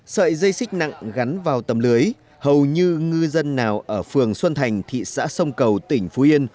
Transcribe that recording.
sợi dây xích nặng gắn vào tầm lưới hầu như ngư dân nào ở phường xuân thành thị xã sông cầu tỉnh phú yên